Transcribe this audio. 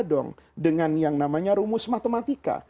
dong dengan yang namanya rumus matematika